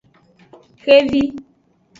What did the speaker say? Xevi.